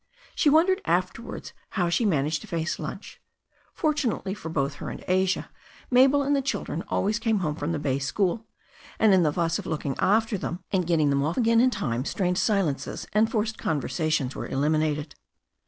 She wondered afterwards how she managed to face lunch. Fortunately for both her and Asia, Mabel and the children always came home from the bay school, and in the fuss of looking after them and getting them off again in time strained silences and forced conversations were eliminated.